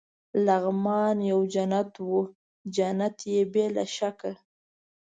لغمان یو جنت وو، جنت يې بې له شکه.